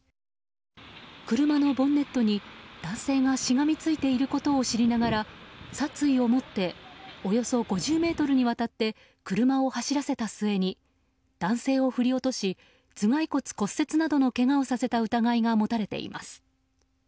車のボンネットに男性がしがみついていることを知りながら殺意を持っておよそ５０ｍにわたって車を走らせた末に男性を振り落とし頭蓋骨骨折などのけがをさせた疑いが持たれています。